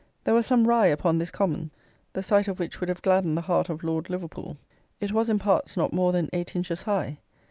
There was some rye upon this common, the sight of which would have gladdened the heart of Lord Liverpool. It was, in parts, not more than eight inches high.